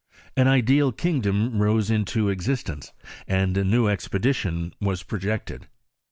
An ideal kingdom rose into existence, and a new expedition was projected.